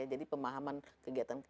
jadi pemahaman kegiatan